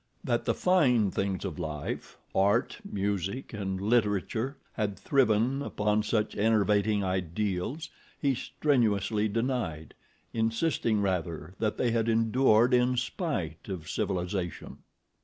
That the fine things of life—art, music and literature—had thriven upon such enervating ideals he strenuously denied, insisting, rather, that they had endured in spite of civilization.